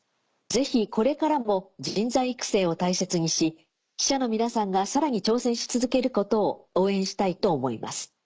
ぜひこれからも人材育成を大切にし記者の皆さんがさらに挑戦し続けることを応援したいと思います」。